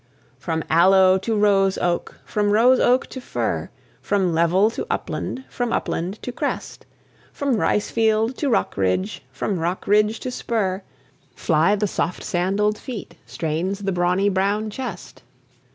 From aloe to rose oak, from rose oak to fir, From level to upland, from upland to crest, From rice field to rock ridge, from rock ridge to spur, Fly the soft sandalled feet, strains the brawny brown chest.